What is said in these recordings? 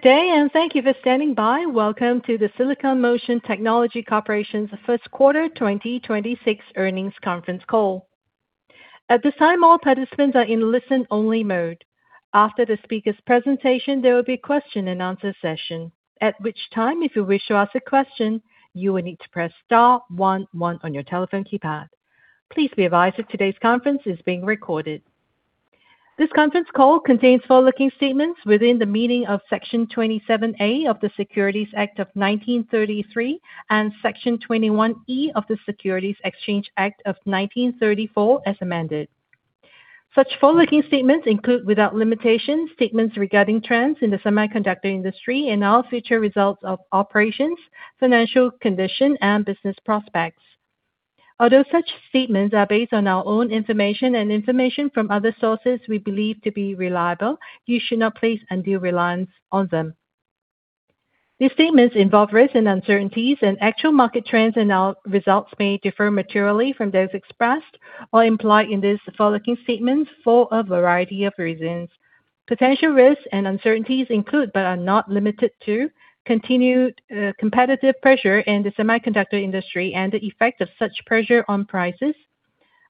Good day. Thank you for standing by. Welcome to the Silicon Motion Technology Corporation's Q1 2026 Earnings Conference Call. This conference call contains forward-looking statements within the meaning of Section 27A of the Securities Act of 1933 and Section 21E of the Securities Exchange Act of 1934 as amended. Such forward-looking statements include, without limitation, statements regarding trends in the semiconductor industry and our future results of operations, financial condition, and business prospects. Although such statements are based on our own information and information from other sources we believe to be reliable, you should not place undue reliance on them. These statements involve risks and uncertainties, and actual market trends and our results may differ materially from those expressed or implied in this forward-looking statements for a variety of reasons. Potential risks and uncertainties include, but are not limited to, continued competitive pressure in the semiconductor industry and the effect of such pressure on prices,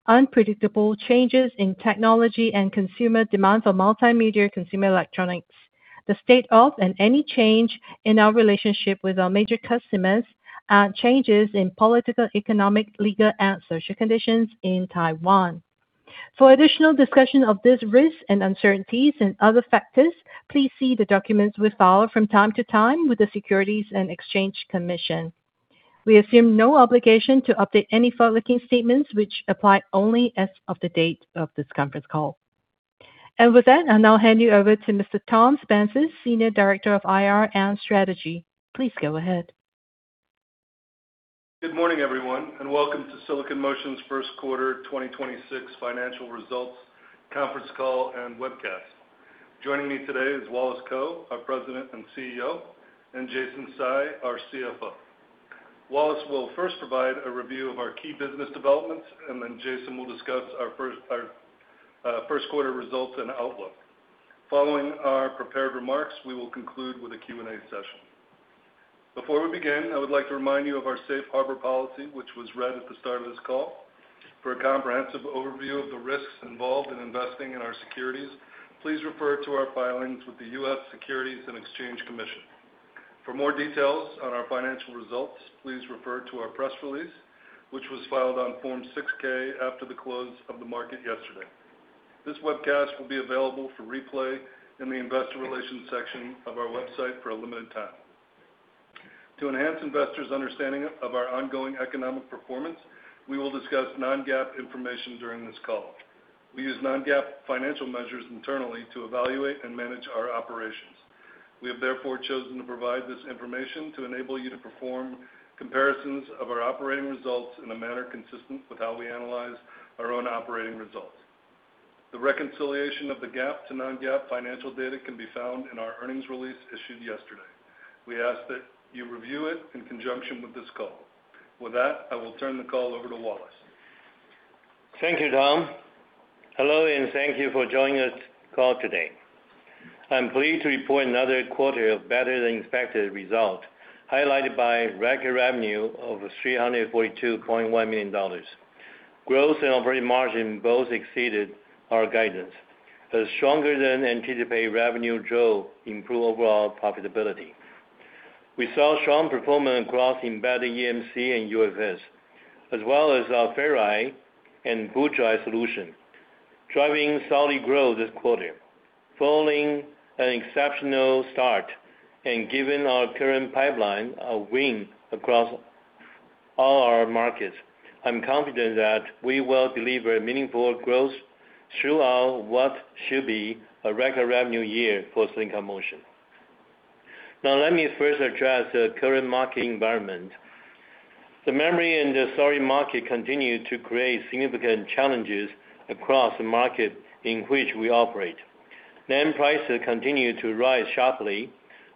unpredictable changes in technology and consumer demand for multimedia consumer electronics, the state of, and any change in our relationship with our major customers, and changes in political, economic, legal, and social conditions in Taiwan. For additional discussion of these risks and uncertainties and other factors, please see the documents we file from time to time with the Securities and Exchange Commission. We assume no obligation to update any forward-looking statements which apply only as of the date of this conference call. With that, I'll now hand you over to Mr. Tom Sepenzis, Senior Director of Investor Relations and Strategy. Please go ahead. Good morning, everyone, and welcome to Silicon Motion's Q1 2026 Financial Results Conference Call and Webcast. Joining me today is Wallace Kou, our President and CEO, and Jason Tsai, our CFO. Wallace will first provide a review of our key business developments, and then Jason will discuss our Q1 results and outlook. Following our prepared remarks, we will conclude with a Q&A session. Before we begin, I would like to remind you of our safe harbor policy, which was read at the start of this call. For a comprehensive overview of the risks involved in investing in our securities, please refer to our filings with the U.S. Securities and Exchange Commission. For more details on our financial results, please refer to our press release, which was filed on Form 6-K after the close of the market yesterday. This webcast will be available for replay in the Investor Relations section of our website for a limited time. To enhance Investors' understanding of our ongoing economic performance, we will discuss non-GAAP information during this call. We use non-GAAP financial measures internally to evaluate and manage our operations. We have therefore chosen to provide this information to enable you to perform comparisons of our operating results in a manner consistent with how we analyze our own operating results. The reconciliation of the GAAP to non-GAAP financial data can be found in our earnings release issued yesterday. We ask that you review it in conjunction with this call. With that, I will turn the call over to Wallace. Thank you, Tom. Hello, and thank you for joining this call today. I'm pleased to report another quarter of better-than-expected result, highlighted by record revenue of $342.1 million. Operating margin both exceeded our guidance. The stronger than anticipated revenue drove improved overall profitability. We saw strong performance across embedded eMMC and UFS, as well as our Ferri-series and BlueJay solutions, driving solid growth this quarter. Following an exceptional start and given our current pipeline of win across all our markets, I'm confident that we will deliver meaningful growth throughout what should be a record revenue year for Silicon Motion. Now, let me first address the current market environment. The memory and the storage market continue to create significant challenges across the market in which we operate. NAND prices continue to rise sharply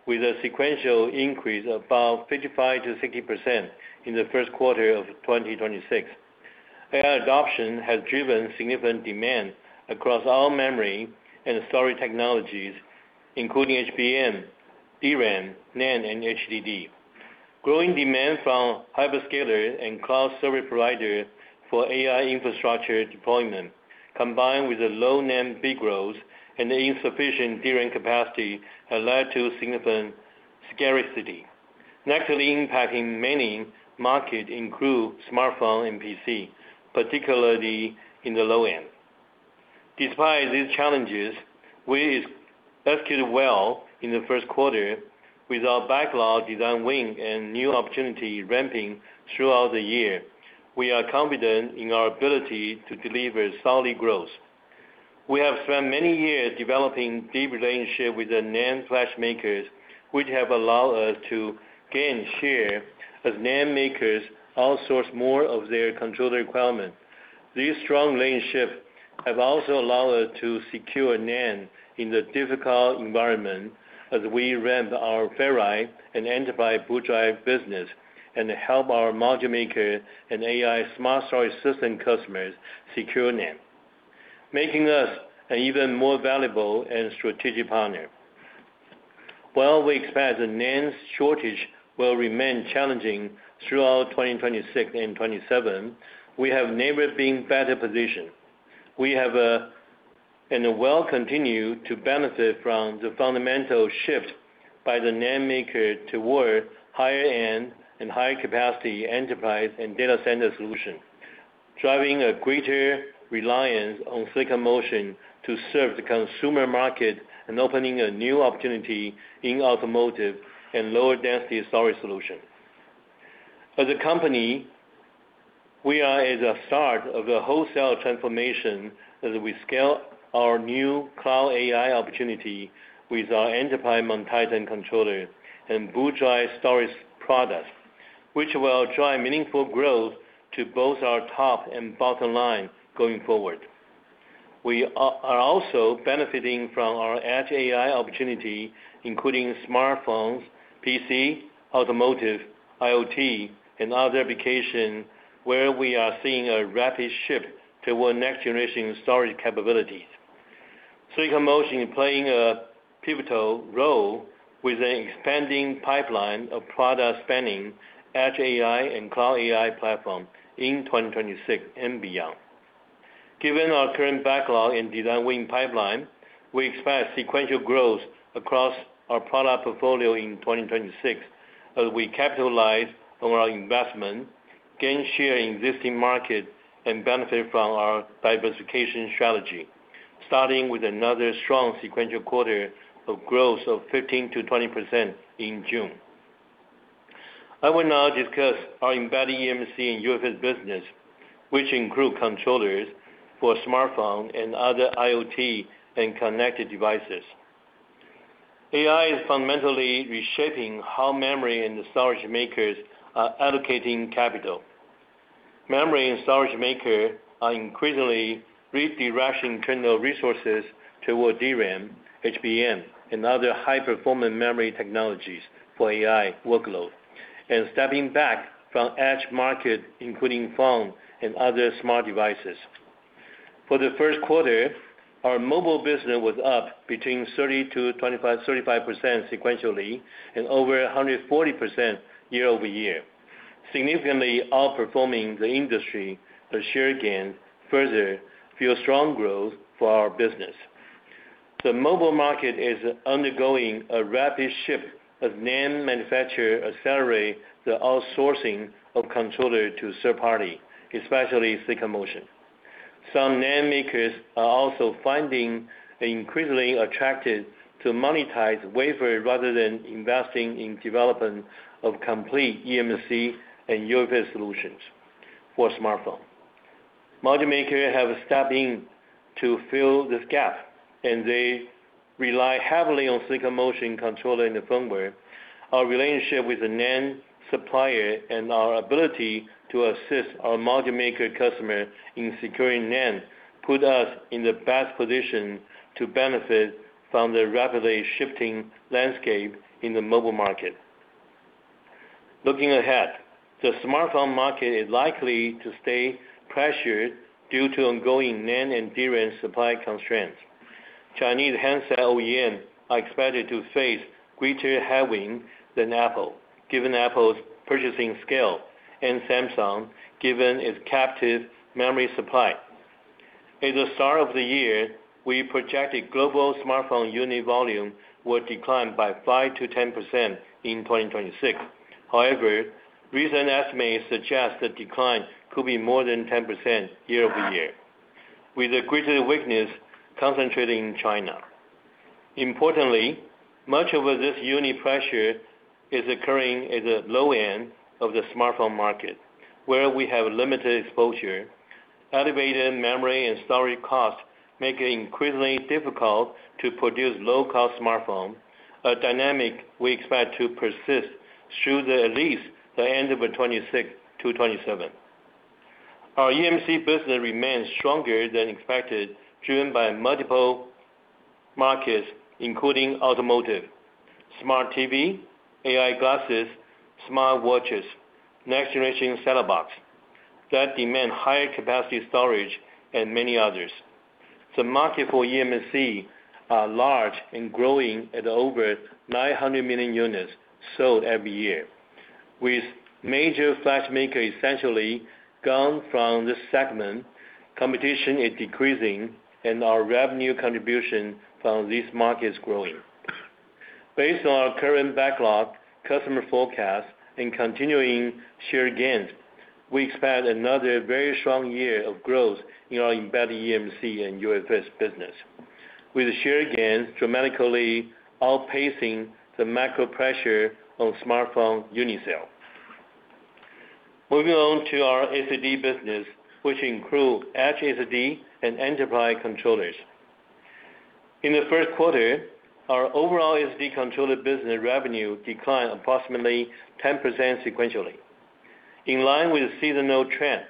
with a sequential increase of about 55%-60% in the Q1 of 2026. AI adoption has driven significant demand across all memory and storage technologies, including HBM, DRAM, NAND, and HDD. Growing demand from hyperscaler and cloud service provider for AI infrastructure deployment, combined with a low NAND bit growth and the insufficient DRAM capacity, have led to significant scarcity. Nextly, impacting many markets include smartphone and PC, particularly in the low end. Despite these challenges, we executed well in the Q1 with our backlog design win and new opportunity ramping throughout the year. We are confident in our ability to deliver solid growth. We have spent many years developing deep relationships with the NAND flash makers, which have allowed us to gain share as NAND makers outsource more of their controller requirements. These strong relationships have also allowed us to secure NAND in the difficult environment as we ramp our Ferri-series and Enterprise BlueJay business and help our module maker and AI smart storage system customers secure NAND. Making us an even more valuable and strategic partner. While we expect the NAND shortage will remain challenging throughout 2026 and 2027, we have never been better positioned. We will continue to benefit from the fundamental shift by the NAND maker toward higher end and higher capacity enterprise and data center solution, driving a greater reliance on Silicon Motion to serve the consumer market and opening a new opportunity in automotive and lower density storage solution. As a company, we are at the start of a wholesale transformation as we scale our new Cloud AI opportunity with our enterprise MonTitan controller and BlueJay storage products, which will drive meaningful growth to both our top and bottom line going forward. We are also benefiting from our Edge AI opportunity, including smartphones, PC, automotive, IoT, and other application where we are seeing a rapid shift toward next generation storage capabilities. Silicon Motion playing a pivotal role with an expanding pipeline of products spanning Edge AI and Cloud AI platform in 2026 and beyond. Given our current backlog and design win pipeline, we expect sequential growth across our product portfolio in 2026 as we capitalize on our investment, gain share in existing market, and benefit from our diversification strategy, starting with another strong sequential quarter of growth of 15%-20% in June. I will now discuss our embedded eMMC and UFS business, which include controllers for smartphone and other IoT and connected devices. AI is fundamentally reshaping how memory and storage maker are allocating capital. Memory and storage maker are increasingly redirecting internal resources toward DRAM, HBM, and other high-performance memory technologies for AI workload, and stepping back from edge market, including phone and other smart devices. For the Q1, our mobile business was up between 30% to 25%, 35% sequentially and over 140% year-over-year, significantly outperforming the industry as share gain further fuel strong growth for our business. The mobile market is undergoing a rapid shift as NAND manufacturer accelerate the outsourcing of controller to third party, especially Silicon Motion. Some NAND makers are also finding increasingly attracted to monetize wafer rather than investing in development of complete eMMC and UFS solutions for smartphone. Module maker have stepped in to fill this gap, and they rely heavily on Silicon Motion controller and the firmware. Our relationship with the NAND supplier and our ability to assist our module maker customer in securing NAND put us in the best position to benefit from the rapidly shifting landscape in the mobile market. Looking ahead, the smartphone market is likely to stay pressured due to ongoing NAND and DRAM supply constraints. Chinese handset OEM are expected to face greater headwind than Apple, given Apple's purchasing scale and Samsung given its captive memory supply. At the start of the year, we projected global smartphone unit volume would decline by 5% to 10% in 2026. Recent estimates suggest the decline could be more than 10% year-over-year, with a greater weakness concentrating in China. Importantly, much of this unit pressure is occurring at the low end of the smartphone market, where we have limited exposure. Elevated memory and storage costs make it increasingly difficult to produce low-cost smartphone, a dynamic we expect to persist through at least the end of 2026 to 2027. Our eMMC business remains stronger than expected, driven by multiple markets, including automotive, smart TV, AI glasses, smart watches, next-generation set-top box that demand higher capacity storage and many others. The market for eMMC is large and growing at over 900 million units sold every year. With major flash maker essentially gone from this segment, competition is decreasing and our revenue contribution from this market is growing. Based on our current backlog, customer forecast and continuing share gains, we expect another very strong year of growth in our embedded eMMC and UFS business, with share gains dramatically outpacing the macro pressure on smartphone unit sale. Moving on to our SSD business, which include Edge SSD and enterprise controllers. In the Q1, our overall SSD controller business revenue declined approximately 10% sequentially, in line with the seasonal trend,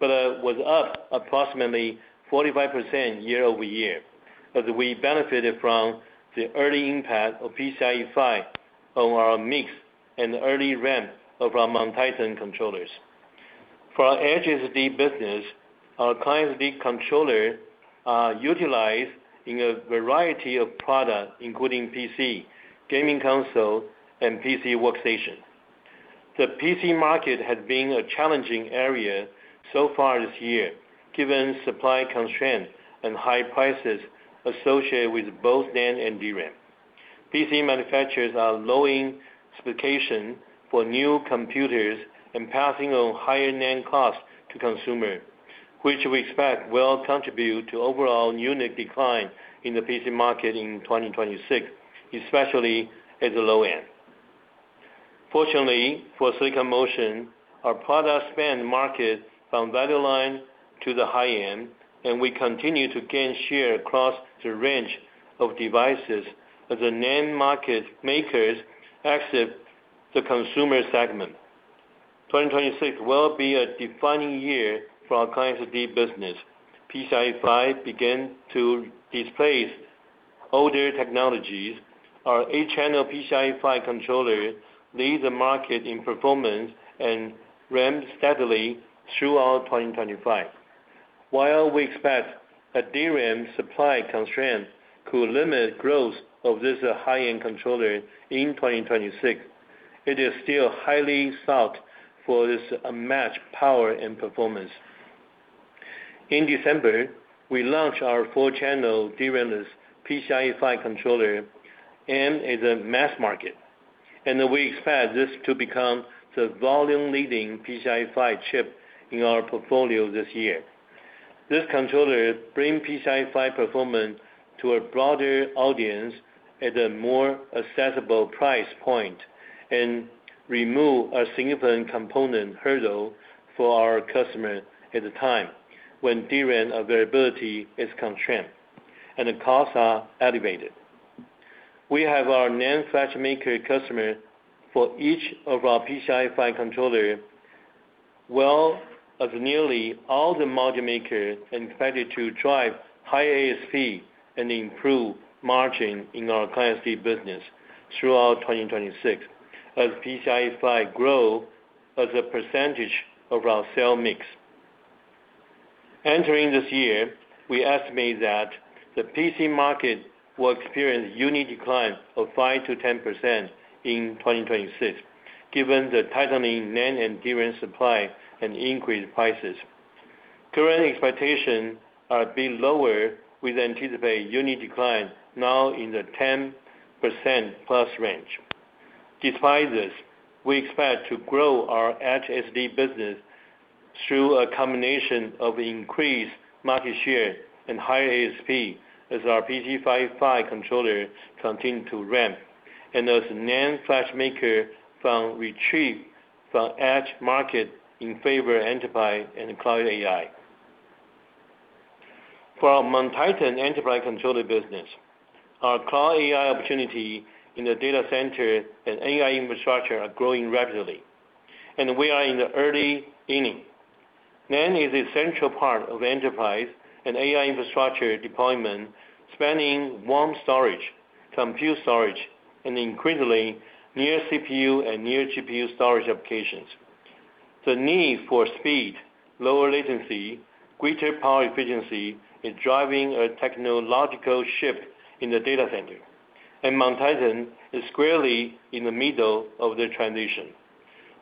but was up approximately 45% year-over-year. As we benefited from the early impact of PCIe Gen5 on our mix and early ramp of our MonTitan controllers. For our Edge SSD business, our client SSD controller utilized in a variety of products, including PC, gaming console, and PC workstation. The PC market has been a challenging area so far this year, given supply constraints and high prices associated with both NAND and DRAM. PC manufacturers are lowering specification for new computers and passing on higher NAND costs to consumer, which we expect will contribute to overall unit decline in the PC market in 2026, especially at the low end. Fortunately, for Silicon Motion, our product span market from value line to the high end, and we continue to gain share across the range of devices as the NAND market makers exit the consumer segment. 2026 will be a defining year for our client SSD business. PCIe Gen5 began to displace older technologies. Our 8-channel PCIe Gen5 controller leads the market in performance and ramped steadily throughout 2025. While we expect a DRAM supply constraint to limit growth of this high-end controller in 2026, it is still highly sought for its unmatched power and performance. In December, we launched our 4-channel DRAM-less PCIe Gen5 controller aimed at the mass market. We expect this to become the volume-leading PCIe Gen5 chip in our portfolio this year. This controller brings PCIe Gen5 performance to a broader audience at a more accessible price point and remove a significant component hurdle for our customer at a time when DRAM availability is constrained and the costs are elevated. We have our NAND flash maker customer for each of our PCIe Gen5 controller well as nearly all the module maker expected to drive high ASP and improve margin in our client SSD business throughout 2026 as PCIe Gen5 grow as a percentage of our sale mix. Entering this year, we estimate that the PC market will experience unit decline of 5% to 10% in 2026, given the tightening NAND and DRAM supply and increased prices. Current expectations are being lower. We anticipate unit decline now in the 10%+ range. Despite this, we expect to grow our Edge SSD business through a combination of increased market share and higher ASP as our PCIe Gen5 controller continue to ramp and as NAND flash maker retreat from edge market in favor enterprise and cloud AI. For our MonTitan enterprise controller business, our cloud AI opportunity in the data center and AI infrastructure are growing rapidly. We are in the early inning. NAND is an essential part of enterprise and AI infrastructure deployment, spanning warm storage, compute storage, and increasingly near-CPU and near-GPU storage applications. The need for speed, lower latency, greater power efficiency is driving a technological shift in the datacenter. MonTitan is squarely in the middle of the transition.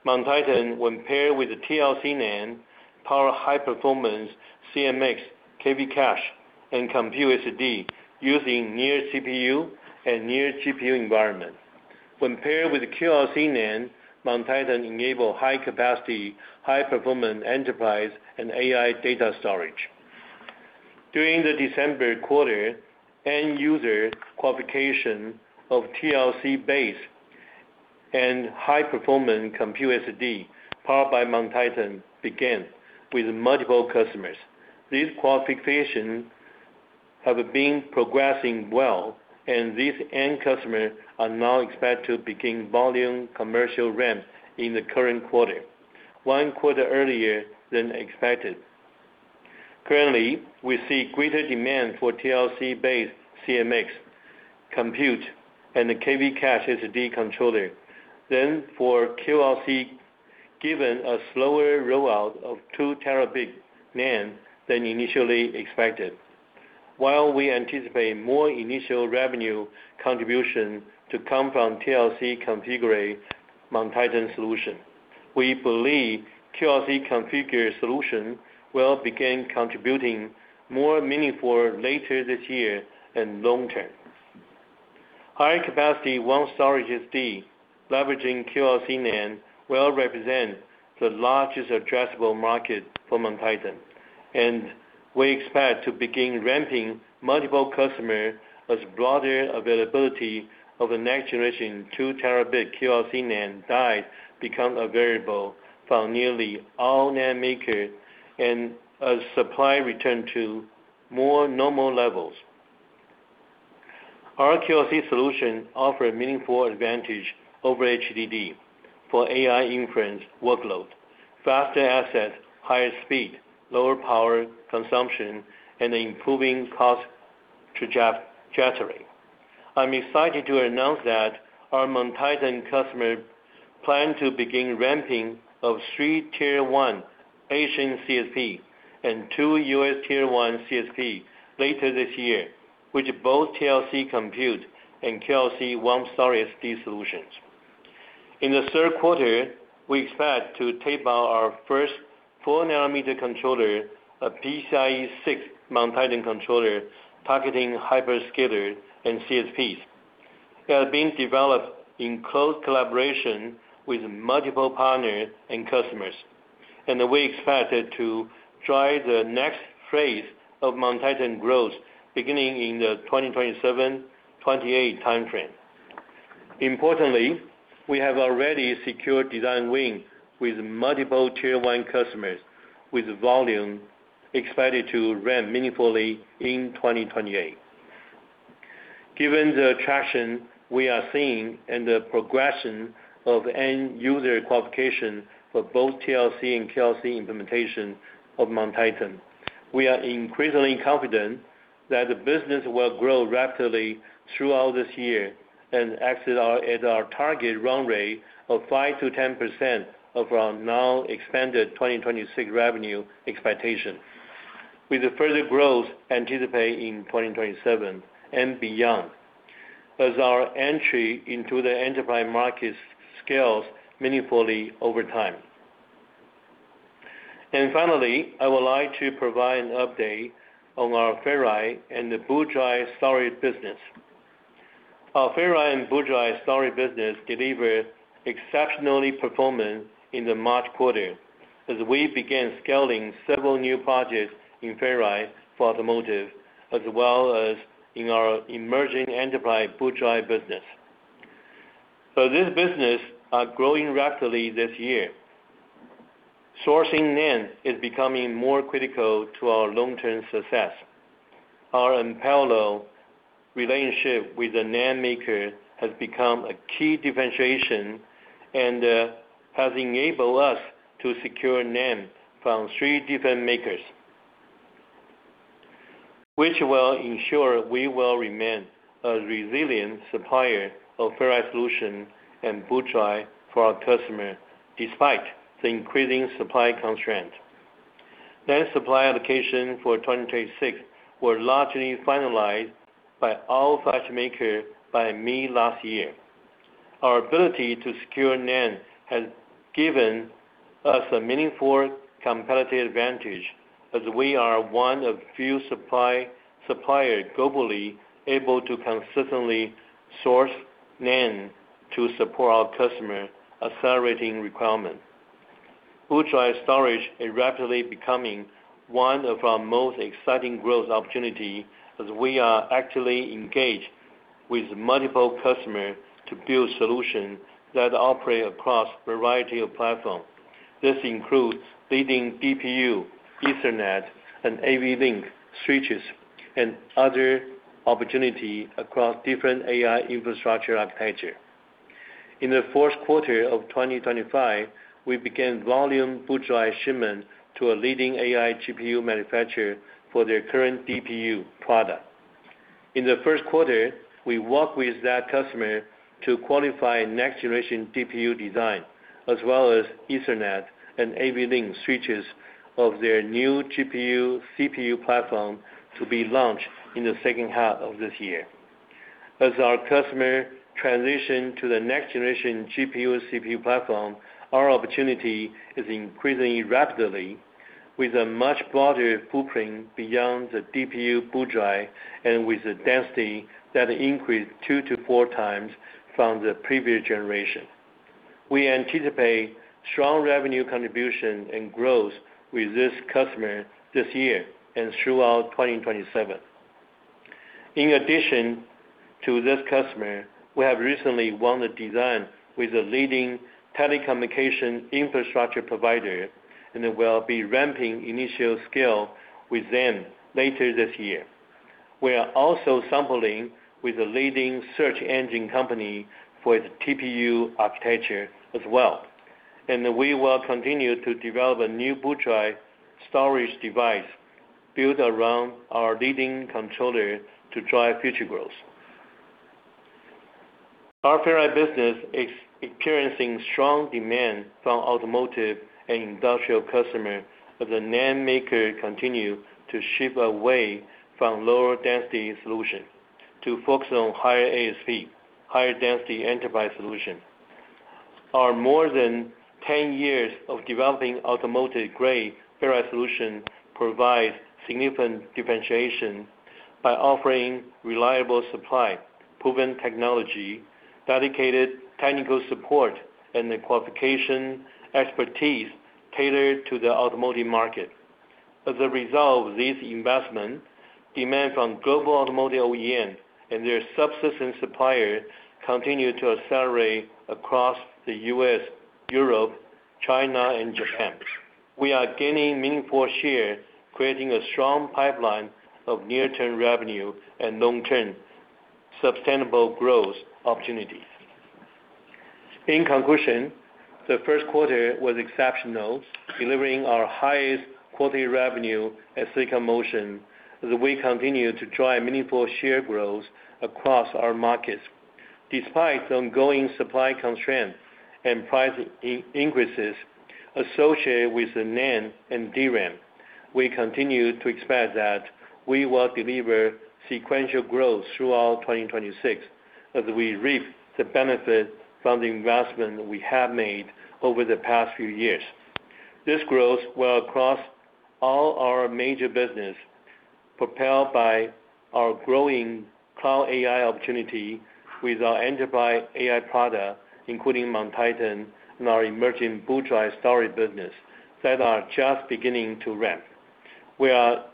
MonTitan, when paired with the TLC NAND, power high-performance CMX, KV cache, and Compute SSD using near-CPU and near-GPU environment. When paired with QLC NAND, MonTitan enable high-capacity, high-performance enterprise and AI data storage. During the December quarter, end user qualification of TLC-based and high-performance Compute SSD powered by MonTitan began with multiple customers. These qualifications have been progressing well, and these end customers are now expected to begin volume commercial ramp in the current quarter, one quarter earlier than expected. Currently, we see greater demand for TLC-based CMX, Compute, and the KV cache SSD controller than for QLC, given a slower rollout of 2 terabit NAND than initially expected. While we anticipate more initial revenue contribution to come from TLC-configured MonTitan solution, we believe QLC-configured solution will begin contributing more meaningful later this year and long term. High-capacity warm storage SSD leveraging QLC NAND will represent the largest addressable market for MonTitan. We expect to begin ramping multiple customers as broader availability of the next-generation 2Tb QLC NAND die become available from nearly all NAND maker. As supply return to more normal levels, our QLC solution offer a meaningful advantage over HDD for AI inference workload, faster access, higher speed, lower power consumption, and improving cost trajectory. I am excited to announce that our MonTitan customer plan to begin ramping of three Tier 1 Asian CSP and two U.S. Tier 1 CSP later this year, with both TLC Compute and QLC warm storage SSD solutions. In the Q3, we expect to tape out our first 4 nanometer controller, a PCIe Gen6 MonTitan controller targeting hyperscaler and CSPs. They are being developed in close collaboration with multiple partners and customers. We expect it to drive the next phase of MonTitan growth beginning in the 2027, 2028 timeframe. Importantly, we have already secured design win with multiple Tier 1 customers with volume expected to ramp meaningfully in 2028. Given the traction we are seeing and the progression of end user qualification for both TLC and QLC implementation of MonTitan, we are increasingly confident that the business will grow rapidly throughout this year and exit at our target run rate of 5%-10% of our now expanded 2026 revenue expectation, with a further growth anticipated in 2027 and beyond as our entry into the enterprise market scales meaningfully over time. Finally, I would like to provide an update on our Ferri-series and the Boot Drive storage business. Our Ferri-series and Boot Drive storage business delivered exceptionally performance in the March quarter as we began scaling several new projects in Ferri-series for automotive as well as in our emerging enterprise Boot Drive business. This business are growing rapidly this year. Sourcing NAND is becoming more critical to our long-term success. Our parallel relationship with the NAND maker has become a key differentiation and has enabled us to secure NAND from 3 different makers, which will ensure we will remain a resilient supplier of Ferri-series solution and Boot Drive for our customer despite the increasing supply constraint. NAND supply allocation for 2026 were largely finalized by all flash maker by May last year. Our ability to secure NAND has given us a meaningful competitive advantage as we are 1 of few supplier globally able to consistently source NAND to support our customer accelerating requirement. Boot Drive storage is rapidly becoming one of our most exciting growth opportunity as we are actively engaged with multiple customer to build solution that operate across a variety of platform. This includes leading DPU, Ethernet, and NVLink switches and other opportunity across different AI infrastructure architecture. In the Q4 of 2025, we began volume Boot Drive shipment to a leading AI GPU manufacturer for their current DPU product. In the Q1, we worked with that customer to qualify next-generation DPU design, as well as Ethernet and NVLink switches of their new GPU, CPU platform to be launched in the second half of this year. As our customer transition to the next generation GPU, CPU platform, our opportunity is increasing rapidly with a much broader footprint beyond the DPU Boot Drive and with the density that increased 2-4 times from the previous generation. We anticipate strong revenue contribution and growth with this customer this year and throughout 2027. In addition to this customer, we have recently won a design with the leading telecommunication infrastructure provider, and we'll be ramping initial scale with them later this year. We are also sampling with a leading search engine company for its TPU architecture as well. We will continue to develop a new Boot Drive storage device built around our leading controller to drive future growth. Our Ferri-series business is experiencing strong demand from automotive and industrial customer as the NAND maker continue to shift away from lower density solution to focus on higher ASP, higher density enterprise solution. Our more than 10 years of developing automotive-grade Ferri-series solution provides significant differentiation by offering reliable supply, proven technology, dedicated technical support, and the qualification expertise tailored to the automotive market. As a result of this investment, demand from global automotive OEM and their subsystem supplier continue to accelerate across the U.S., Europe, China, and Japan. We are gaining meaningful share, creating a strong pipeline of near-term revenue and long-term sustainable growth opportunities. In conclusion, the Q1 was exceptional, delivering our highest quality revenue at Silicon Motion as we continue to drive meaningful share growth across our markets. Despite the ongoing supply constraints and price increases associated with the NAND and DRAM, we continue to expect that we will deliver sequential growth throughout 2026 as we reap the benefit from the investment we have made over the past few years. This growth will, across all our major business, propelled by our growing cloud AI opportunity with our enterprise AI product, including MonTitan and our emerging boot drive storage business that are just beginning to ramp. We are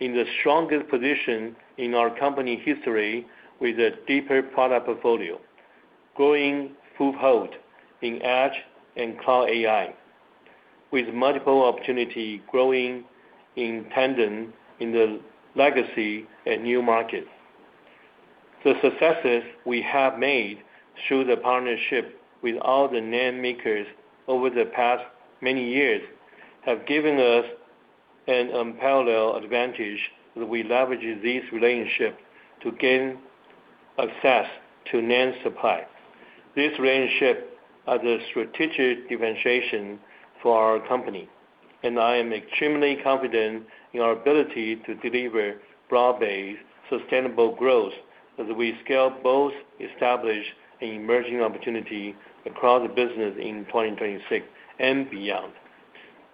in the strongest position in our company history with a deeper product portfolio, growing foothold in Edge and cloud AI, with multiple opportunity growing in tandem in the legacy and new markets. The successes we have made through the partnership with all the NAND makers over the past many years have given us an unparalleled advantage that we leverage this relationship to gain access to NAND supply. This relationship is a strategic differentiation for our company. I am extremely confident in our ability to deliver broad-based, sustainable growth as we scale both established and emerging opportunity across the business in 2026 and beyond.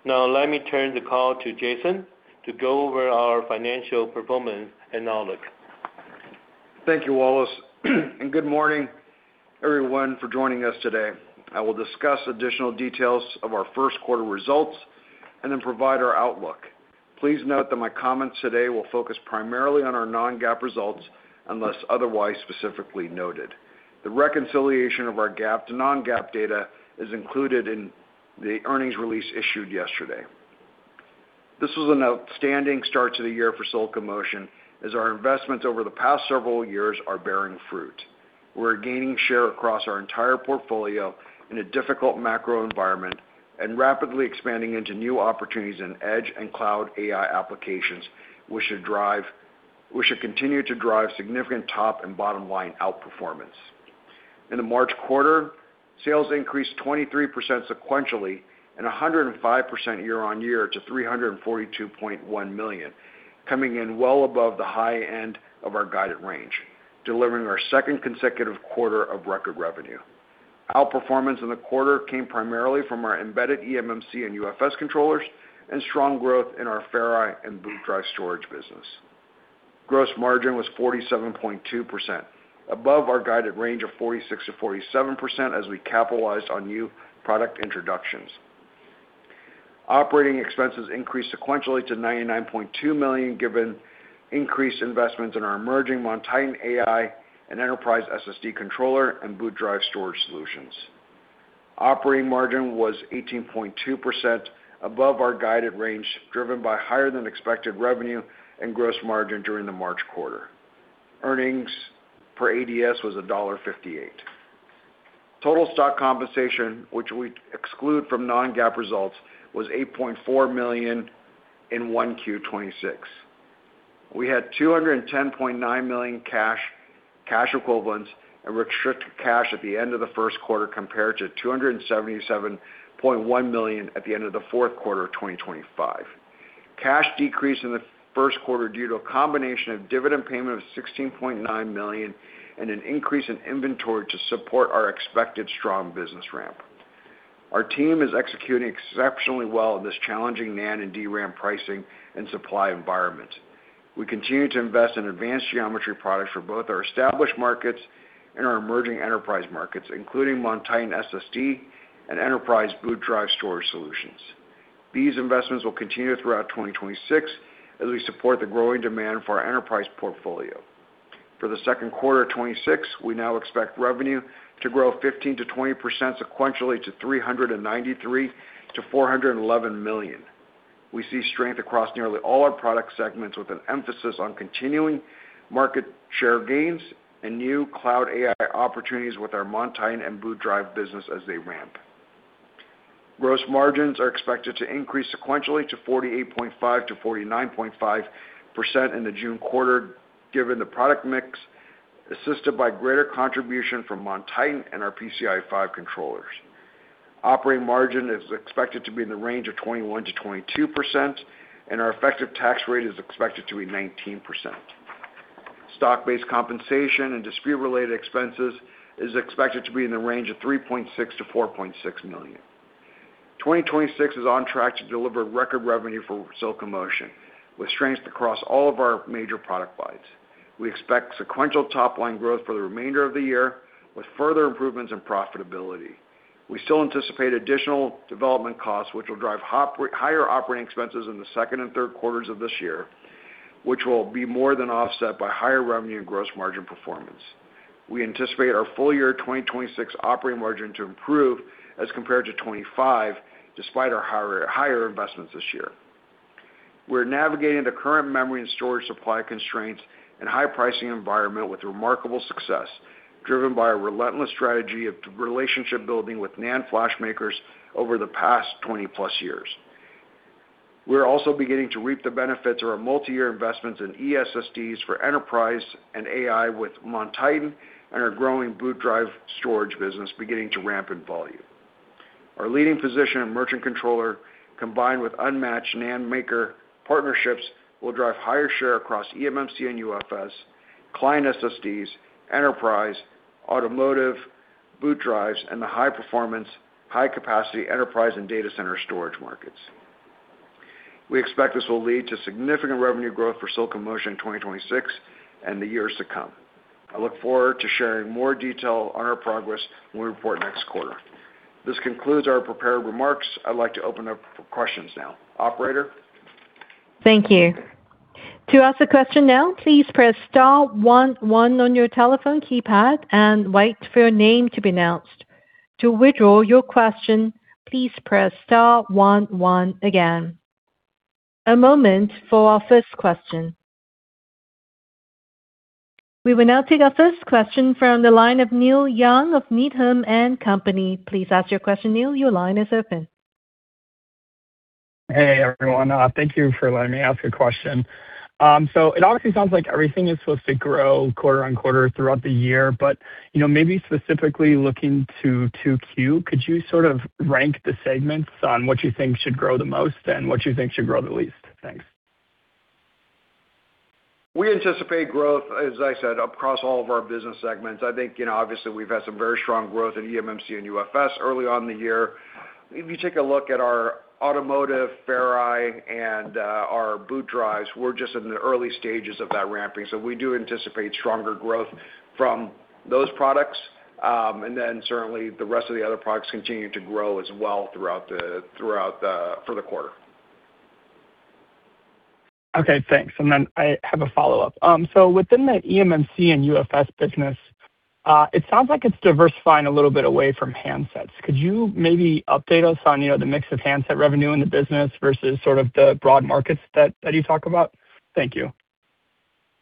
Let me turn the call to Jason to go over our financial performance and outlook. Thank you, Wallace. Good morning, everyone, for joining us today. I will discuss additional details of our Q1 results and then provide our outlook. Please note that my comments today will focus primarily on our non-GAAP results, unless otherwise specifically noted. The reconciliation of our GAAP to non-GAAP data is included in the earnings release issued yesterday. This was an outstanding start to the year for Silicon Motion as our investments over the past several years are bearing fruit. We're gaining share across our entire portfolio in a difficult macro environment and rapidly expanding into new opportunities in Edge AI and Cloud AI applications, which should continue to drive significant top and bottom line outperformance. In the March quarter, sales increased 23% sequentially and 105% year-on-year to $342.1 million, coming in well above the high end of our guided range, delivering our second consecutive quarter of record revenue. Outperformance in the quarter came primarily from our embedded eMMC and UFS controllers and strong growth in our Ferri-series and boot drive storage business. Gross margin was 47.2%, above our guided range of 46%-47% as we capitalized on new product introductions. Operating expenses increased sequentially to $99.2 million, given increased investments in our emerging MonTitan AI and enterprise SSD controller and boot drive storage solutions. Operating margin was 18.2% above our guided range, driven by higher than expected revenue and gross margin during the March quarter. Earnings per ADS was $1.58. Total stock compensation, which we exclude from non-GAAP results, was $8.4 million in Q1 2026. We had $210.9 million cash equivalents, and restricted cash at the end of the Q1 compared to $277.1 million at the end of the Q4 of 2025. Cash decreased in the Q1 due to a combination of dividend payment of $16.9 million and an increase in inventory to support our expected strong business ramp. Our team is executing exceptionally well in this challenging NAND and DRAM pricing and supply environment. We continue to invest in advanced geometry products for both our established markets and our emerging enterprise markets, including MonTitan SSD and enterprise boot drive storage solutions. These investments will continue throughout 2026 as we support the growing demand for our enterprise portfolio. For the Q2 of 2026, we now expect revenue to grow 15%-20% sequentially to $393 million-$411 million. We see strength across nearly all our product segments with an emphasis on continuing market share gains and new cloud AI opportunities with our MonTitan and Boot Drive business as they ramp. Gross margins are expected to increase sequentially to 48.5%-49.5% in the June quarter, given the product mix, assisted by greater contribution from MonTitan and our PCIe Gen5 controllers. Operating margin is expected to be in the range of 21%-22%. Our effective tax rate is expected to be 19%. Stock-based compensation and dispute-related expenses is expected to be in the range of $3.6 million-$4.6 million. 2026 is on track to deliver record revenue for Silicon Motion, with strength across all of our major product lines. We expect sequential top-line growth for the remainder of the year, with further improvements in profitability. We still anticipate additional development costs, which will drive higher operating expenses in the Q2 and Q3s of this year, which will be more than offset by higher revenue and gross margin performance. We anticipate our full year 2026 operating margin to improve as compared to 2025, despite our higher investments this year. We're navigating the current memory and storage supply constraints and high pricing environment with remarkable success, driven by a relentless strategy of relationship building with NAND flash makers over the past 20+ years. We're also beginning to reap the benefits of our multi-year investments in eSSDs for enterprise and AI with MonTitan and our growing Boot Drive storage business beginning to ramp in volume. Our leading position in merchant controller, combined with unmatched NAND maker partnerships, will drive higher share across eMMC and UFS, client SSDs, enterprise, automotive, Boot Drives, and the high performance, high capacity enterprise and data center storage markets. We expect this will lead to significant revenue growth for Silicon Motion in 2026 and the years to come. I look forward to sharing more detail on our progress when we report next quarter. This concludes our prepared remarks. I'd like to open up for questions now. Operator? Thank you. To ask a question now, please press *11 on your telephone keypad and wait for your name to be announced. To withdraw your question, please press *11 again. A moment for our first question. We will now take our first question from the line of Neil Young of Needham & Company. Please ask your question, Neil. Your line is open. Hey, everyone. Thank you for letting me ask a question. It obviously sounds like everything is supposed to grow quarter-on-quarter throughout the year, but, you know, maybe specifically looking to Q2, could you sort of rank the segments on what you think should grow the most and what you think should grow the least? Thanks. We anticipate growth, as I said, across all of our business segments. I think, you know, obviously, we've had some very strong growth in eMMC and UFS early on in the year. If you take a look at our automotive Ferri-series and our boot drives, we're just in the early stages of that ramping. We do anticipate stronger growth from those products. Certainly the rest of the other products continue to grow as well throughout the quarter. Okay, thanks. I have a follow-up. Within that eMMC and UFS business, it sounds like it's diversifying a little bit away from handsets. Could you maybe update us on, you know, the mix of handset revenue in the business versus sort of the broad markets that you talk about? Thank you.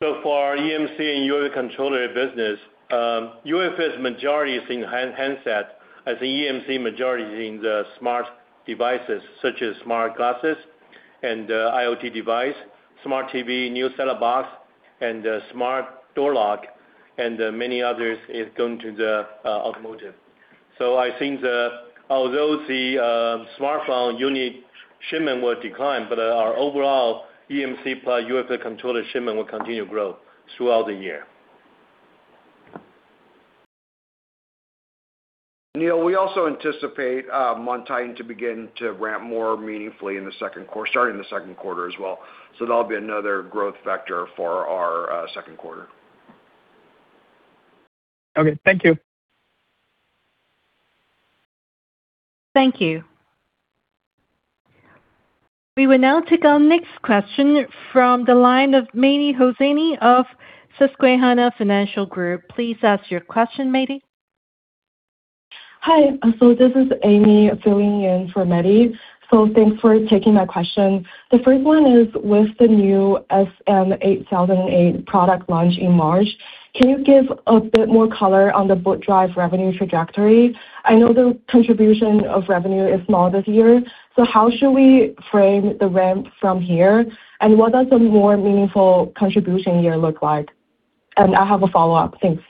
For our eMMC and UFS controller business, UFS majority is in handset, as the eMMC majority is in the smart devices such as smart glasses and IoT device, Smart TV, new set-top box, and smart door lock, and many others is going to the automotive. Although the smartphone unit shipment will decline, our overall eMMC plus UFS controller shipment will continue to grow throughout the year. Neil, we also anticipate MonTitan to begin to ramp more meaningfully in the Q2, starting the Q2 as well. That'll be another growth factor for our Q2. Okay. Thank you. Thank you. We will now take our next question from the line of Mehdi Hosseini of Susquehanna Financial Group. Please ask your question, Mehdi. Hi. This is Amy filling in for Mehdi. Thanks for taking my question. The first one is with the new SM8008 product launch in March, can you give a bit more color on the boot drive revenue trajectory? I know the contribution of revenue is small this year. How should we frame the ramp from here? What does a more meaningful contribution year look like? I have a follow-up. Thanks.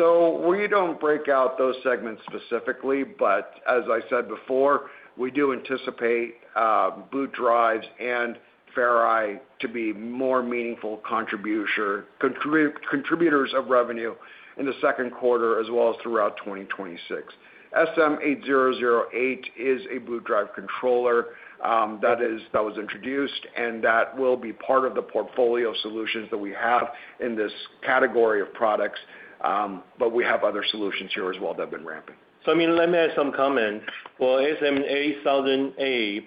We don't break out those segments specifically, but as I said before, we do anticipate boot drives and Ferri-series to be more meaningful contributors of revenue in the Q2, as well as throughout 2026. SM8008 is a boot drive controller, that is, that was introduced, and that will be part of the portfolio solutions that we have in this category of products, but we have other solutions here as well that have been ramping. I mean, let me add some comment. Well, SM8008,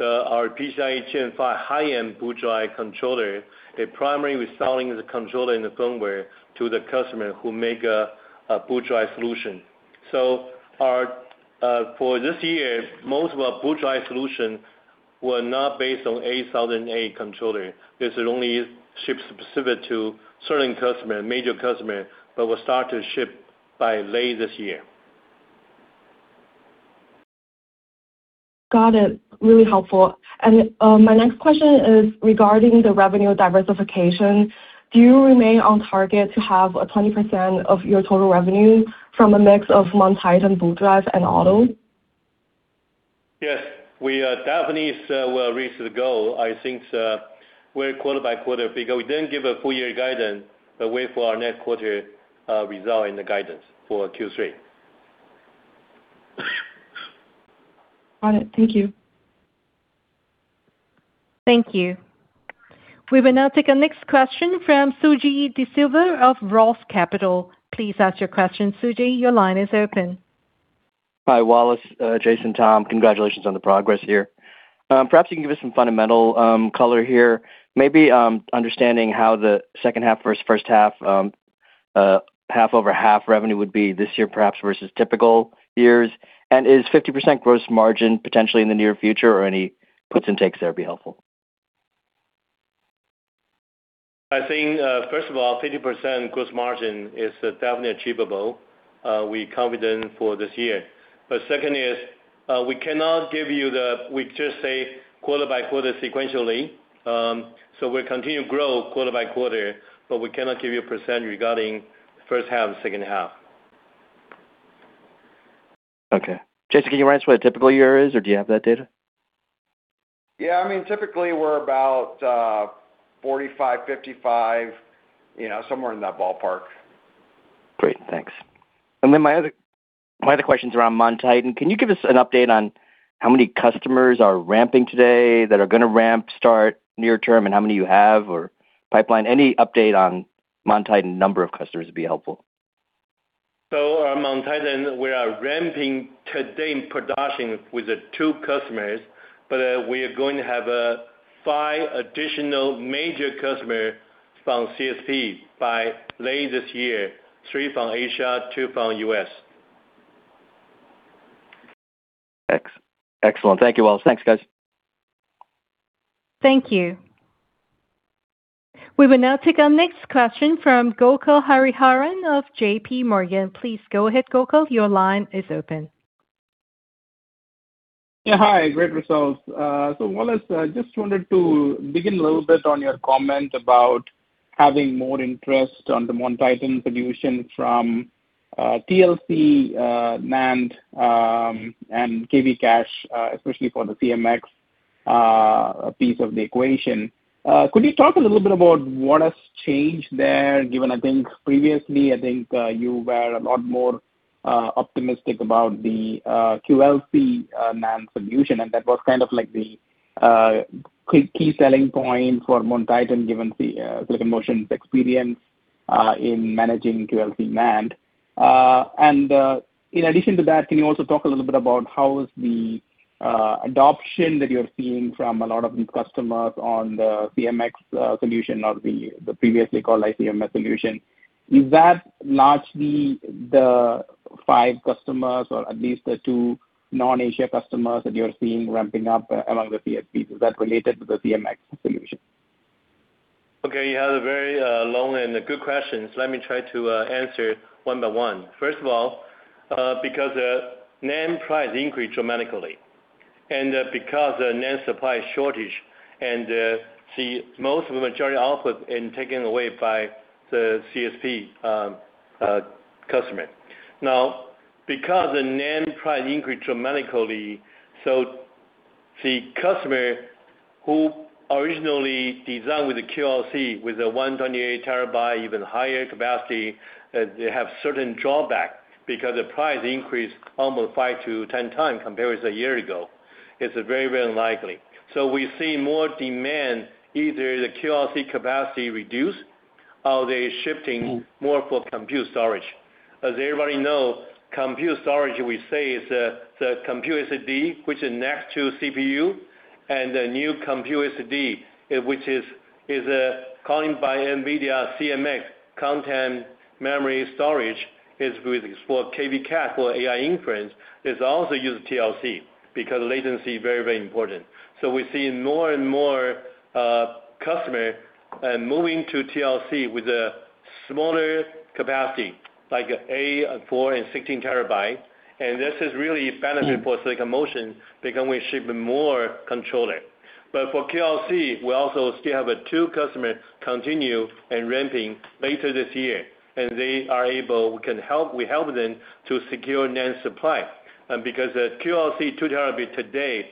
our PCIe Gen5 high-end boot drive controller, it primarily selling the controller and the firmware to the customer who make a boot drive solution. Our for this year, most of our boot drive solution were not based on 8008 controller. This will only ship specific to certain customer, major customer, but will start to ship by late this year. Got it. Really helpful. My next question is regarding the revenue diversification. Do you remain on target to have a 20% of your total revenue from a mix of MonTitan boot drive and auto? Yes, we are definitely will reach the goal. I think, we're quarter-by-quarter, because we didn't give a full year guidance. Wait for our next quarter, result in the guidance for Q3. Got it. Thank you. Thank you. We will now take our next question from Suji Desilva of Roth Capital Partners. Please ask your question, Suji. Your line is open. Hi, Wallace, Jason, Tom, congratulations on the progress here. You can give us some fundamental color here. Understanding how the second half versus first half-over-half revenue would be this year perhaps versus typical years. Is 50% gross margin potentially in the near future or any puts and takes there would be helpful. I think, first of all, 50% gross margin is definitely achievable, we're confident for this year. Second is, we just say quarter-by-quarter sequentially. We'll continue to grow quarter-by-quarter, but we cannot give you a % regarding first half and second half. Okay. Jason, can you remind us what a typical year is, or do you have that data? Yeah. I mean, typically we're about, 45, 55, you know, somewhere in that ballpark. Great. Thanks. My other question is around MonTitan. Can you give us an update on how many customers are ramping today that are going to ramp start near term, and how many you have or pipeline? Any update on MonTitan number of customers would be helpful. On MonTitan, we are ramping today in production with the two customers, but we are going to have five additional major customer from CSP by late this year, three from Asia, two from U.S. Excellent. Thank you, Wallace. Thanks, guys. Thank you. We will now take our next question from Gokul Hariharan of JPMorgan. Please go ahead, Gokul. Your line is open. Yeah, hi. Great results. Wallace, I just wanted to dig in a little bit on your comment about having more interest on the MonTitan solution from TLC NAND and KV cache, especially for the CMX piece of the equation. Could you talk a little bit about what has changed there, given previously, you were a lot more optimistic about the QLC NAND solution, and that was kind of like the key selling point for MonTitan, given the Silicon Motion's experience in managing QLC NAND. In addition to that, can you also talk a little bit about how is the adoption that you're seeing from a lot of these customers on the CMX solution or the previously called ICMA solution. Is that largely the five customers or at least the two non-Asia customers that you're seeing ramping up among the CSPs? Is that related to the CMX solution? Okay. You have a very long and a good question, let me try to answer one by one. First of all, because the NAND price increased dramatically and because the NAND supply is shortage and the most of the majority output and taken away by the CSP customer. Now, because the NAND price increased dramatically, the customer who originally designed with the QLC, with the 128TB, even higher capacity, they have certain drawback because the price increased almost 5-10 times compared with a year ago. It's very, very unlikely. We see more demand, either the QLC capacity reduce or they're shifting more for compute storage. As everybody know, compute storage, we say, is the Compute SSD, which is next to CPU, and the new Compute SSD, which is coined by NVIDIA CMX, content memory storage, for KV cache or AI inference, is also used TLC because latency is very, very important. We're seeing more and more customer moving to TLC with a smaller capacity, like a 4TB and 16TB, and this is really benefit for Silicon Motion because we ship more controller. For QLC, we also still have 2 customers continue and ramping later this year, and We help them to secure NAND supply. Because the QLC 2TB today,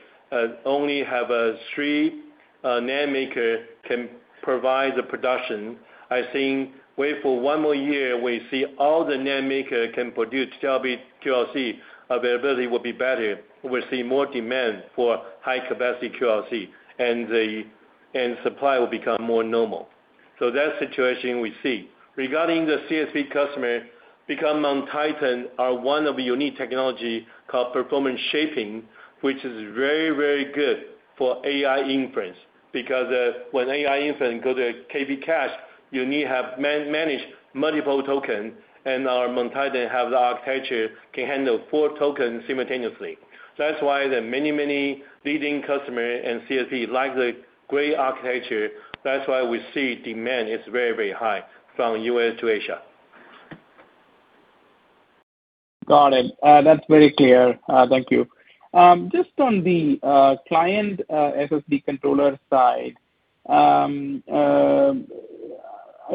only have 3 NAND maker can provide the production, I think wait for 1 more year, we see all the NAND maker can produce terabyte QLC, availability will be better. We'll see more demand for high capacity QLC. Supply will become more normal. That's the situation we see. Regarding the CSP customer, because MonTitan are one of the unique technology called Performance Shaping, which is very, very good for AI inference. When AI inference go to KV cache, you need have manage multiple token, and our MonTitan have the architecture, can handle 4 tokens simultaneously. That's why the many, many leading customer and CSP like the great architecture. That's why we see demand is very, very high from U.S. to Asia. Got it. That's very clear. Thank you. Just on the client SSD controller side, I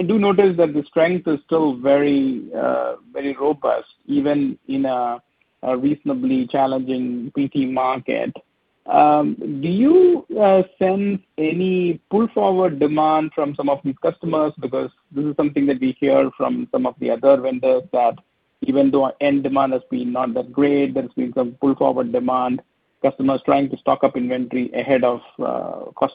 do notice that the strength is still very, very robust, even in a reasonably challenging PT market. Do you sense any pull-forward demand from some of these customers? This is something that we hear from some of the other vendors that even though end demand has been not that great, there's been some pull-forward demand. Customers trying to stock up inventory ahead of cost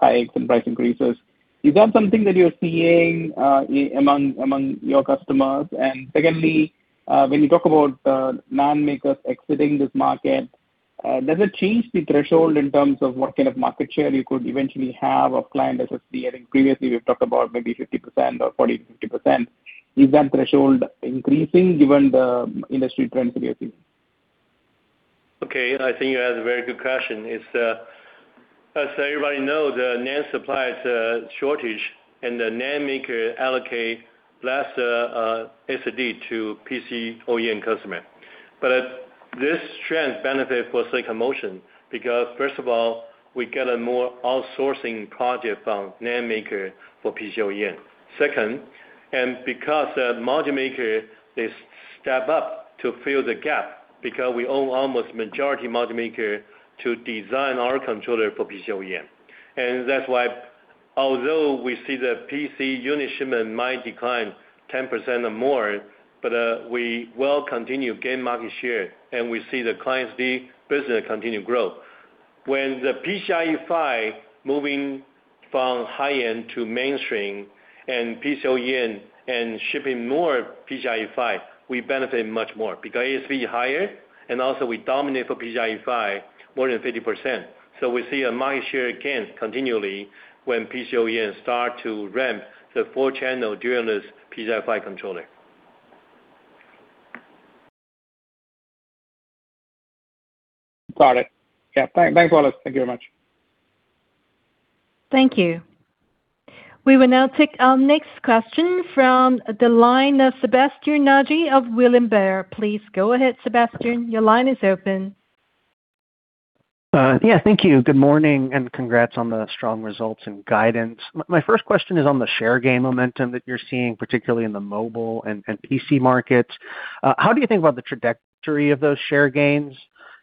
hikes and price increases. Is that something that you're seeing among your customers? Secondly, when you talk about NAND makers exiting this market, does it change the threshold in terms of what kind of market share you could eventually have of client SSD? I think previously we've talked about maybe 50% or 40%-50%. Is that threshold increasing given the industry trends that you're seeing? Okay. I think you asked a very good question. It's, as everybody knows, the NAND supply is shortage and the NAND maker allocate less SSD to PC OEM customer. This trend benefit for Silicon Motion because first of all, we get a more outsourcing project from NAND maker for PC OEM. Second, because module maker, they step up to fill the gap because we own almost majority module maker to design our controller for PC OEM. Although we see the PC unit shipment might decline 10% or more, we will continue gain market share, we see the client's business continue grow. When the PCIe Gen5 moving from high-end to mainstream PC OEM shipping more PCIe Gen5, we benefit much more. ASP higher and also we dominate for PCIe Gen5 more than 50%. We see a market share gain continually when PC OEM start to ramp the 4-channel DRAM-less PCIe Gen5 controller. Got it. Yeah. Thanks, Wallace. Thank you very much. Thank you. We will now take our next question from the line of Sebastien Naji of William Blair. Please go ahead, Sebastien, your line is open. Yeah. Thank you. Good morning, and congrats on the strong results and guidance. My first question is on the share gain momentum that you're seeing, particularly in the mobile and PC markets. How do you think about the trajectory of those share gains?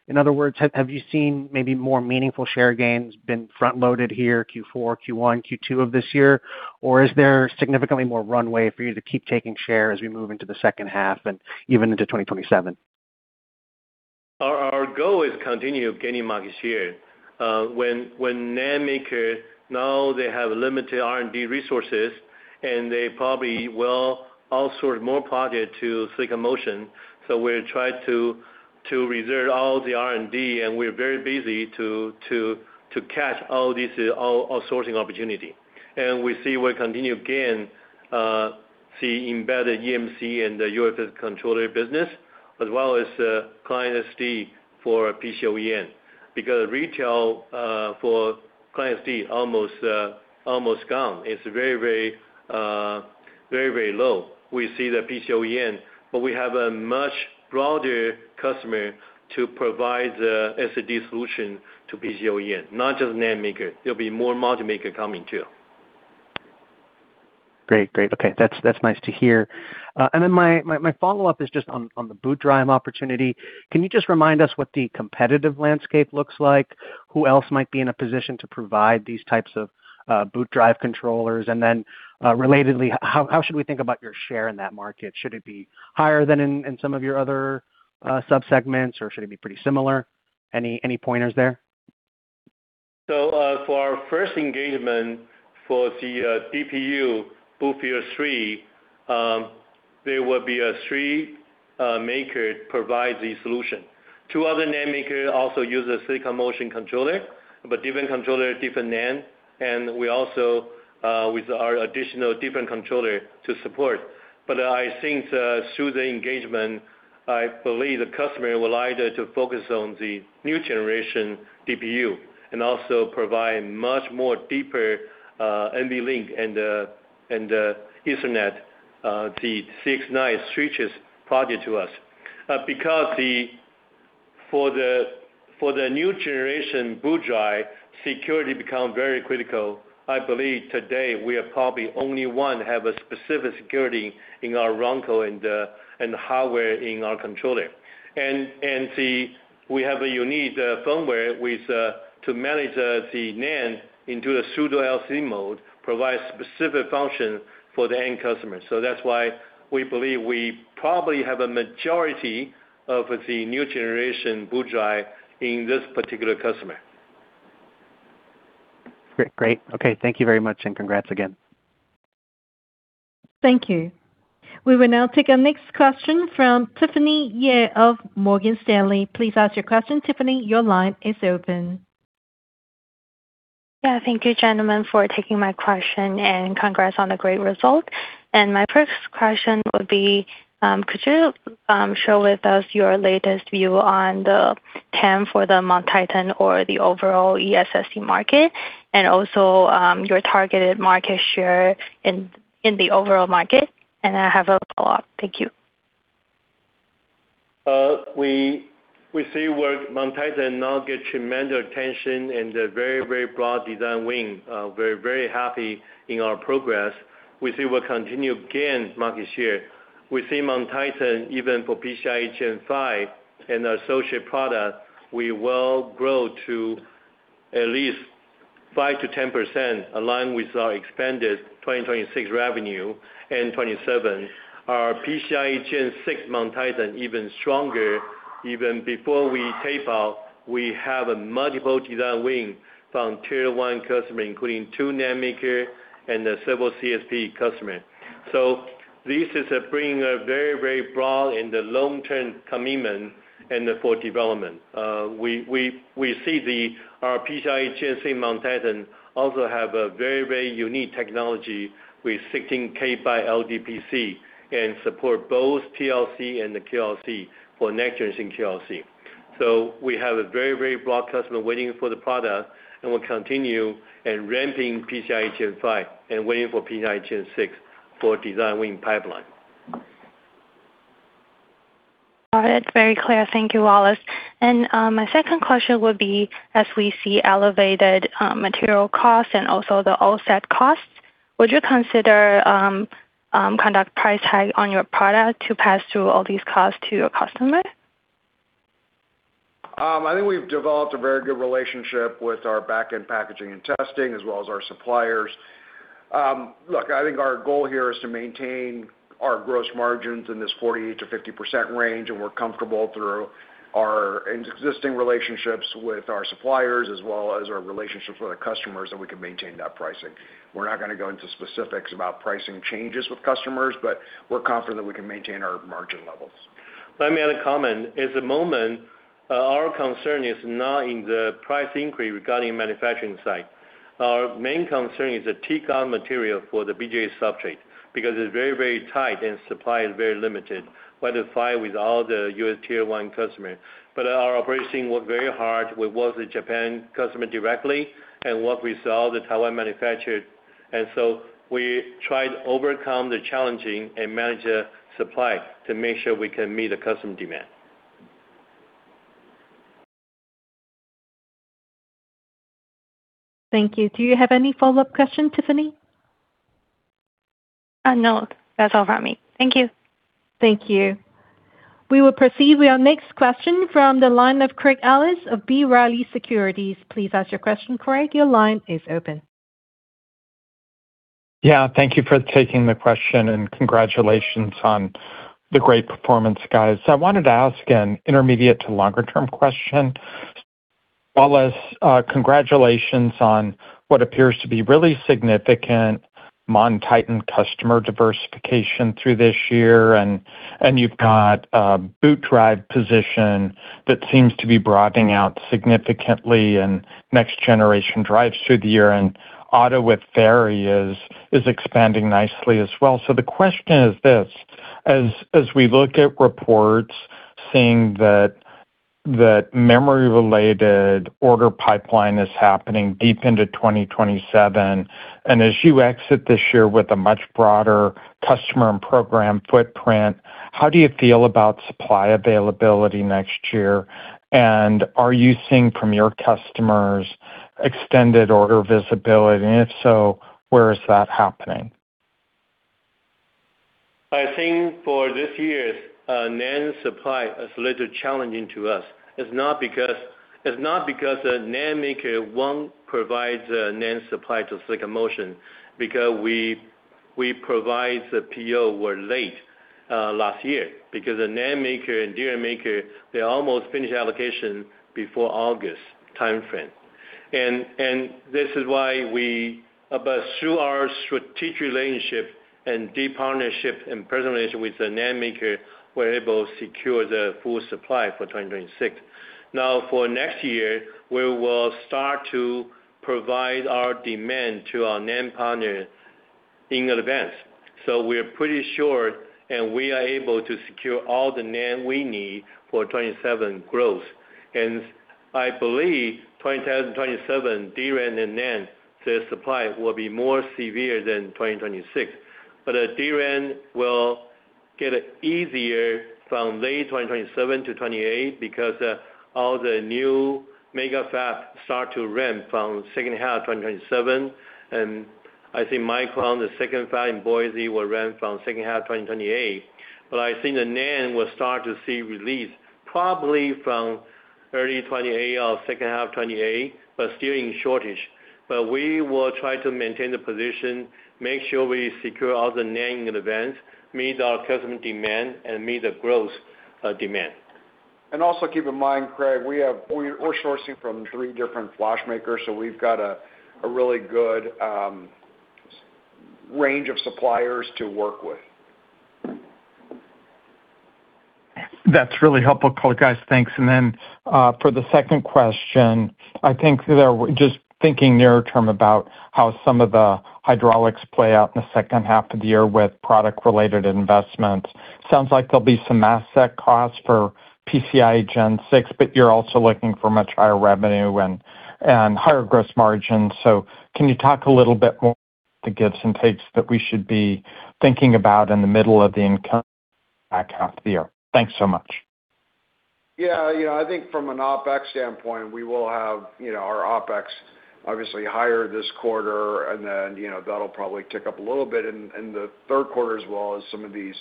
In other words, have you seen maybe more meaningful share gains been front-loaded here, Q4, Q1, Q2 of this year? Or is there significantly more runway for you to keep taking share as we move into the second half and even into 2027? Our goal is continue gaining market share. When NAND maker know they have limited R&D resources and they probably will outsource more project to Silicon Motion. We try to reserve all the R&D, and we're very busy to catch all sourcing opportunity. We see we continue gain the embedded eMMC and the UFS controller business, as well as client SSD for PC OEM. Retail for client SSD almost almost gone. It's very, very low. We see the PC OEM. We have a much broader customer to provide the SSD solution to PC OEM, not just NAND maker. There'll be more module maker coming too. Great. Great. Okay. That's nice to hear. Then my follow-up is just on the boot drive opportunity. Can you just remind us what the competitive landscape looks like? Who else might be in a position to provide these types of boot drive controllers? Then relatedly, how should we think about your share in that market? Should it be higher than in some of your other sub-segments, or should it be pretty similar? Any pointers there? For our first engagement for the DPU Boot Drive 3, there will be a 3 maker provide the solution. Two other NAND maker also use a Silicon Motion controller, but different controller, different NAND, and we also with our additional different controller to support. I think through the engagement, I believe the customer will either to focus on the new generation DPU and also provide much more deeper NVLink and Ethernet, the PCIe Gen6 project to us. For the new generation boot drive, security become very critical. I believe today we are probably only one have a specific security in our ROM code and hardware in our controller. We have a unique firmware with to manage the NAND into the pseudo-SLC mode, provide specific function for the end customer. That's why we believe we probably have a majority of the new generation boot drive in this particular customer. Great. Great. Okay. Thank you very much, and congrats again. Thank you. We will now take our next question from Tiffany Yeh of Morgan Stanley. Please ask your question, Tiffany. Your line is open. Yeah. Thank you, gentlemen, for taking my question, and congrats on the great result. My first question would be, could you share with us your latest view on the TAM for the MonTitan or the overall eSSD market, and also, your targeted market share in the overall market? I have a follow-up. Thank you. We see where MonTitan now get tremendous attention and a very, very broad design win. We're very happy in our progress. We see we'll continue gain market share. We see MonTitan, even for PCIe Gen5 and our associate product, we will grow to at least 5%-10% align with our expanded 2026 revenue and 2027. Our PCIe Gen6 MonTitan even stronger. Even before we tape out, we have a multiple design win from Tier 1 customer, including two NAND maker and several CSP customer. This is bringing a very, very broad and the long-term commitment and the full development. We see the, our PCIe Gen6 MonTitan also have a very, very unique technology with 16K by LDPC and support both TLC and the QLC for next generation QLC. We have a very, very broad customer waiting for the product, and we'll continue and ramping PCIe Gen5 and waiting for PCIe Gen6 for design win pipeline. All right. Very clear. Thank you, Wallace. My second question would be, as we see elevated material costs and also the offset costs, would you consider conduct price hike on your product to pass through all these costs to your customer? I think we've developed a very good relationship with our back-end packaging and testing, as well as our suppliers. I think our goal here is to maintain our gross margins in this 48%-50% range, and we're comfortable through our existing relationships with our suppliers as well as our relationships with our customers that we can maintain that pricing. We're not gonna go into specifics about pricing changes with customers, but we're confident that we can maintain our margin levels. Let me add a comment. At the moment, our concern is not in the price increase regarding manufacturing side. Our main concern is the ABF material for the BGA substrate, because it's very tight and supply is very limited. Identify with all the U.S. Tier 1 customer. Our operation work very hard. We work with Japan customer directly and work with all the Taiwan manufacturer. We try to overcome the challenging and manage the supply to make sure we can meet the customer demand. Thank you. Do you have any follow-up question, Tiffany? No. That's all from me. Thank you. Thank you. We will proceed with our next question from the line of Craig Ellis of B. Riley Securities. Please ask your question, Craig. Your line is open. Yeah. Thank you for taking the question. Congratulations on the great performance, guys. I wanted to ask an intermediate to longer term question. Wallace Kou, congratulations on what appears to be really significant MonTitan customer diversification through this year, and you've got Boot Drive position that seems to be broadening out significantly and next-generation drives through the year. Auto with Ferri-series is expanding nicely as well. The question is this: As we look at reports saying that memory related order pipeline is happening deep into 2027, and as you exit this year with a much broader customer and program footprint, how do you feel about supply availability next year? Are you seeing from your customers extended order visibility? If so, where is that happening? I think for this year's NAND supply is a little challenging to us. It's not because the NAND maker won't provide the NAND supply to Silicon Motion, because we provide the PO were late last year. Because the NAND maker and DRAM maker, they almost finished allocation before August timeframe. This is why we, but through our strategic relationship and deep partnership and presentation with the NAND maker, we're able to secure the full supply for 2026. For next year, we will start to provide our demand to our NAND partner in advance. We're pretty sure, and we are able to secure all the NAND we need for 2027 growth. I believe 2027, DRAM and NAND, the supply will be more severe than 2026. DRAM will get easier from late 2027 to 2028 because all the new mega fab start to ramp from second half 2027. I think Micron, the second fab in Boise, will ramp from second half 2028. I think the NAND will start to see release probably from early 2028 or second half 2028, but still in shortage. We will try to maintain the position, make sure we secure all the NAND in advance, meet our customer demand and meet the growth demand. Also keep in mind, Craig, we're sourcing from three different flash makers, so we've got a really good range of suppliers to work with. That's really helpful, guys. Thanks. Then, for the second question, I think that we're just thinking near term about how some of the hydraulics play out in the second half of the year with product-related investments. Sounds like there'll be some asset costs for PCIe Gen6, but you're also looking for much higher revenue and higher gross margin. Can you talk a little bit more the gives and takes that we should be thinking about in the middle of the income back half of the year? Thanks so much. Yeah, you know, I think from an OpEx standpoint, we will have, you know, our OpEx obviously higher this quarter and then, you know, that'll probably tick up a little bit in the Q3 as well as some of these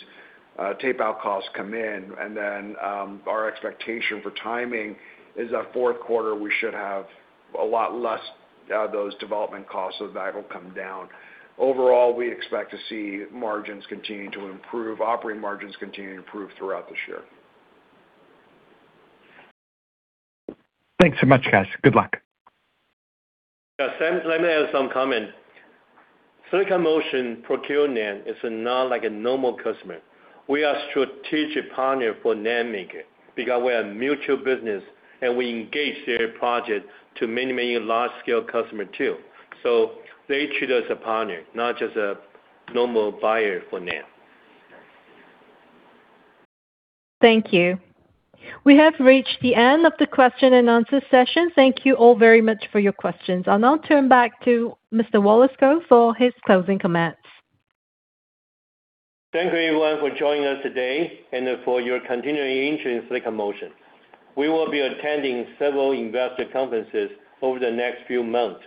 tape-out costs come in. Our expectation for timing is that Q4, we should have a lot less those development costs, so that'll come down. Overall, we expect to see margins continue to improve, operating margins continue to improve throughout this year. Thanks so much, guys. Good luck. Yeah. Let me add some comment. Silicon Motion procurement is not like a normal customer. We are strategic partner for NAND maker because we are a mutual business and we engage their project to many large-scale customer too. They treat us a partner, not just a normal buyer for NAND. Thank you. We have reached the end of the question-and-answer session. Thank you all very much for your questions. I'll now turn back to Mr. Wallace Kou for his closing comments. Thank you everyone for joining us today and for your continuing interest in Silicon Motion. We will be attending several investor conferences over the next few months.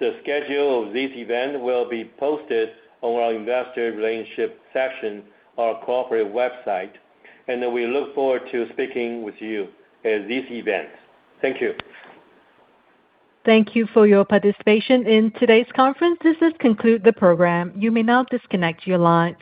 The schedule of this event will be posted on our Investor Relationship section on our corporate website, and we look forward to speaking with you at these events. Thank you. Thank you for your participation in today's conference. This does conclude the program. You may now disconnect your line.